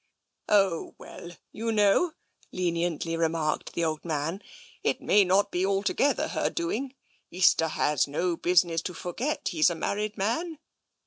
" Oh, well, you know," leniently remarked the old man, " it may not be altogether her doing. Easter has no business to forget he's a married man."